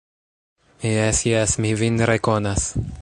Jes, jes, mi vin rekonas!